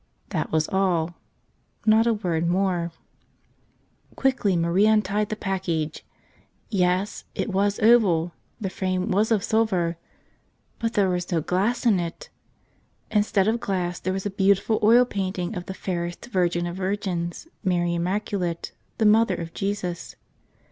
That was all. Not a word more. Quickly Marie untied the package. Yes; it was oval; the frame was of silver; but there was no glass in it ! Instead of glass there was a beautiful oil paint¬ ing of the fairest Virgin of virgins, Mary Immaculate, the Mother of Jesus.